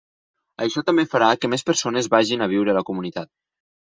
Això també farà que més persones vagin a viure a la comunitat.